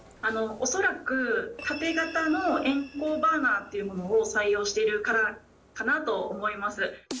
恐らく、縦型の炎口バーナーというものを採用しているからかなと思います